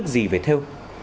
tin tức gì về thêu